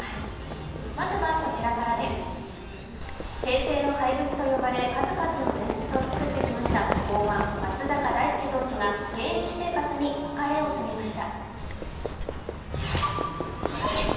まずは平成の怪物と呼ばれ数々の伝説を作ってきました剛腕・松坂大輔投手が現役生活に別れを告げました。